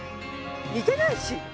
似てないし。